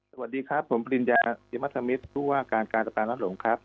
สวัสดีครับผมปริญญาติมัธมิตรผู้ว่าการการรับหลงครับ